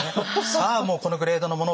さあもうこのグレードのもの